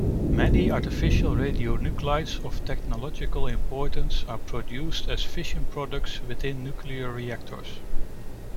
Many artificial radionuclides of technological importance are produced as fission products within nuclear reactors.